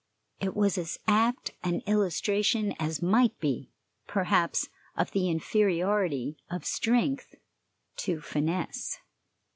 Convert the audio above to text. It was as apt an illustration as might be, perhaps, of the inferiority of strength to finesse.